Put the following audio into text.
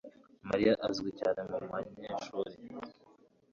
Mariya arazwi cyane mubanyeshuri